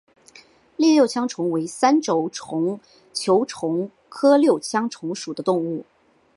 栗六枪虫为三轴球虫科六枪虫属的动物。